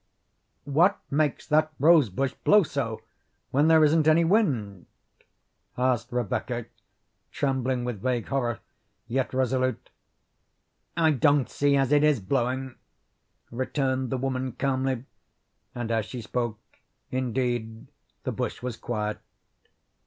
"What makes that rose bush blow so when their isn't any wind?" asked Rebecca, trembling with vague horror, yet resolute. "I don't see as it is blowing," returned the woman calmly. And as she spoke, indeed, the bush was quiet.